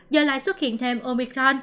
giờ lại xuất hiện thêm omicron